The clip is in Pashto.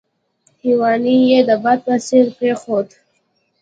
هیوني یې د باد په څېر پرېښود.